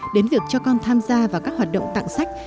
đến việc cho con tham gia vào các hoạt động tặng sách